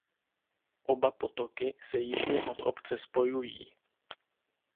Oba potoky se jižně od obce spojují.